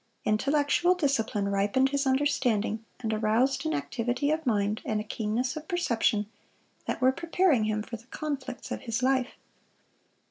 Intellectual discipline ripened his understanding, and aroused an activity of mind and a keenness of perception that were preparing him for the conflicts of his life.